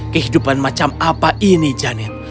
kehidupan macam apa ini janet